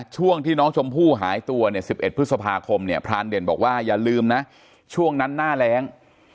ช่วงที่น้องชมผู้หายตัว๑๑พฤษภาคมพรานเดรบอกว่าอย่าลืมนะช่วงนั้นหน้าแร้ง